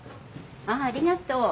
ああありがとう。